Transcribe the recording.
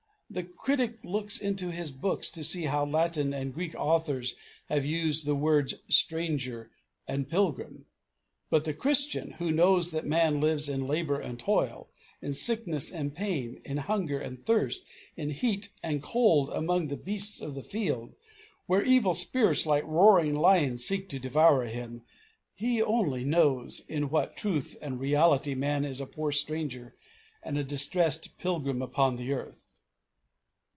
. The critic looks into his books to see how Latin and Greek authors have used the words 'stranger' and 'pilgrim,' but the Christian, who knows that man lives in labour and toil, in sickness and pain, in hunger and thirst, in heat and cold among the beasts of the field, where evil spirits like roaring lions seek to devour him he only knows in what truth and reality man is a poor stranger and a distressed pilgrim upon the earth."